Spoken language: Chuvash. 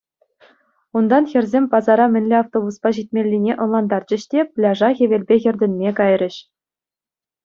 Унтан хӗрсем пасара мӗнле автобуспа ҫитмеллине ӑнлантарчӗҫ те пляжа хӗвелпе хӗртӗнме кайрӗҫ.